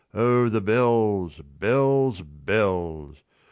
Oh, the bells, bells, bells!